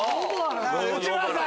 内村さん！